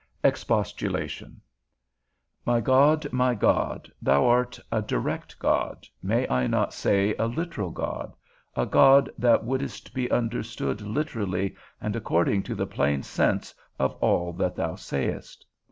XIX. EXPOSTULATION. My God, my God, thou art a direct God, may I not say a literal God, a God that wouldst be understood literally and according to the plain sense of all that thou sayest?